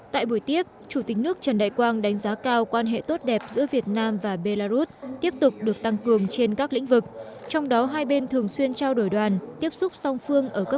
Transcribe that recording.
tại buổi tiếp chủ tịch nước trần đại quang đánh giá cao quan hệ tốt đẹp giữa việt nam và belarus tiếp tục được tăng cường trên các lĩnh vực trong đó hai bên thường xuyên trao đổi đoàn tiếp xúc song phương ở các nước